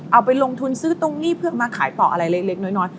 เอาไปลงทุนซื้อตรงนี้เพื่อมาขายต่ออะไรเล็กน้อย